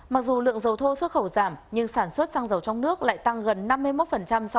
mặc dù lượng dầu thô xuất khẩu giảm nhưng sản xuất xăng dầu trong nước lại tăng gần năm mươi một so với cùng kỳ năm trước